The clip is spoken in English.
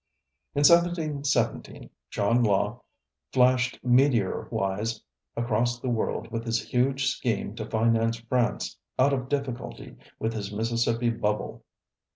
In 1717 John Law flashed meteor wise across the world with his huge scheme to finance France out of difficulty with his Mississippi Bubble.